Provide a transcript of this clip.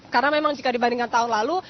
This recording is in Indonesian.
karena memang jika dibandingkan tahun lalu